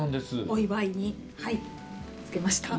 お祝いに駆けつけました。